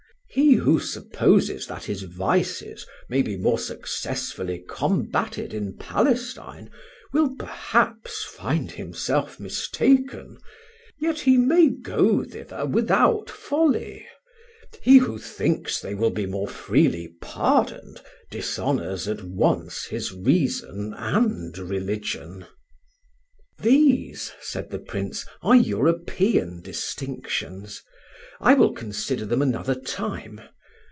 He who supposes that his vices may be more successfully combated in Palestine, will perhaps find himself mistaken; yet he may go thither without folly; he who thinks they will be more freely pardoned, dishonours at once his reason and religion." "These," said the Prince, "are European distinctions. I will consider them another time.